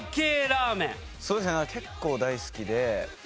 そうですね結構大好きで。